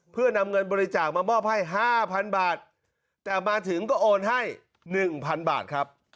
เพื่อนำเงินบริจาคมามอบให้๕๐๐๐บาทแต่มาถึงก็โอนให้๑๐๐บาทครับ